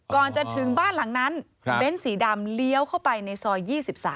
ก่อนจะถึงบ้านหลังนั้นเบ้นสีดำเลี้ยวเข้าไปในซอย๒๓